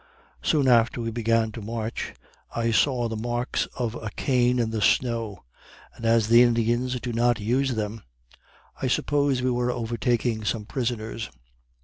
Soon after we began to march, I saw the marks of a cane in the snow, and as the Indians do not use them, I supposed we were overtaking some prisoners.